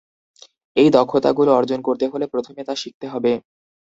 এ দক্ষতাগুলো অর্জন করতে হলে প্রথমে তা শিখতে হবে।